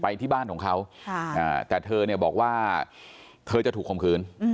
ที่บ้านของเขาแต่เธอเนี่ยบอกว่าเธอจะถูกคมคืน